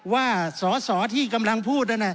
ว่าสที่กำลังพูด